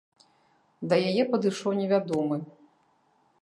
Да яе падышоў невядомы.